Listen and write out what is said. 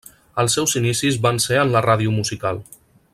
Els seus inicis van ser en la ràdio musical.